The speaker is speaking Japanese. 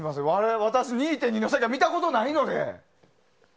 私、２．２の世界見たことないので。